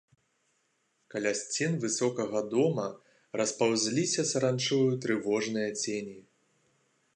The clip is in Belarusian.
Каля сцен высокага дома распаўзліся саранчою трывожныя цені.